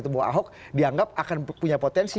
bahwa ahok dianggap akan punya potensi